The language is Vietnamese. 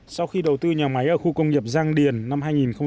sau khi đầu tư nhà máy ở khu công nghiệp giang điền năm hai nghìn một mươi